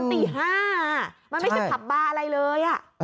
ตี๕มันไม่ใช่ผับบาร์อะไรเลย